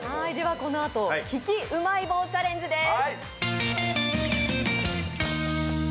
このあと利きうまい棒チャレンジです。